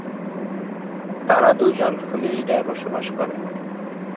তারা দুজন ফ্লোরিডায় বসবাস করেন।